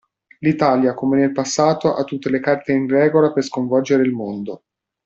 L'Italia come nel passato ha tutte le carte in regola per sconvolgere il mondo.